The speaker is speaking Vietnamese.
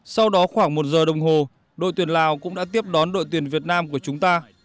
sau đó khoảng một giờ đồng hồ đội tuyển lào cũng đã tiếp đón đội tuyển việt nam của chúng ta